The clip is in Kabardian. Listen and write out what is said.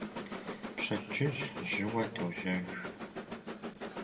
Пщэдджыжь жьыуэ дожьэж.